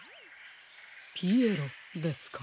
ピエロですか。